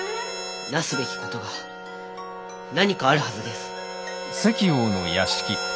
なすべきことが何かあるはずです。